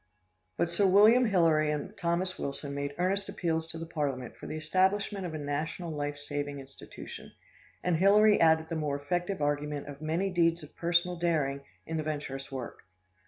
But Sir William Hillary and Thomas Wilson made earnest appeals to Parliament for the establishment of a national life saving institution; and Hillary added the more effective argument of many deeds of personal daring in the venturous work.